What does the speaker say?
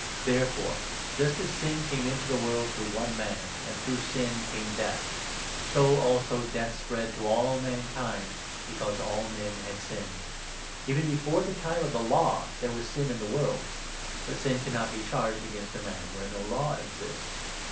Therefore, just as sin came into the world Divme "ideal through one man, and through sin came death ; recoverec ••ed so, also, death spread to all mankind, because all ,o Christ. men had s;nned Even before the time of the i 3 Law there was sin in the world ; but sin cannot be charged against a man where no Law exists.